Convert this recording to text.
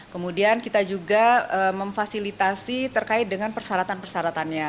kemudian kita juga memfasilitasi terkait dengan persyaratan persyaratannya